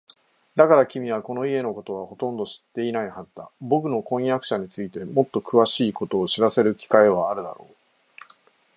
だから、君はこの家のことはほとんど知っていないはずだ。ぼくの婚約者についてもっとくわしいことを知らせる機会はあるだろう。